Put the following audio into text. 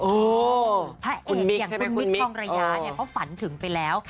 โอ้โหคุณมิกใช่ไหมคุณมิกพระเอกอย่างคุณมิกพรองระยาเนี้ยเขาฝันถึงไปแล้ว